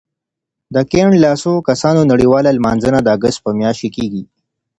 د کیڼ لاسو کسانو نړیواله لمانځنه د اګست په میاشت کې کېږي.